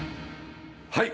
はい。